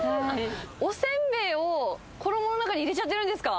おせんべいを衣の中に入れちゃってるんですか？